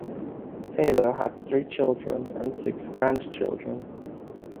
Taylor had three children and six grandchildren.